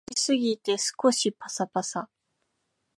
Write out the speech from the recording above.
焼きすぎて少しパサパサ